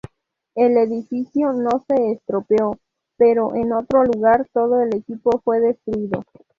El edificio no se estropeó, pero en otro lugar todo el equipo fue destruido.